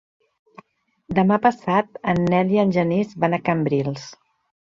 Demà passat en Nel i en Genís van a Cambrils.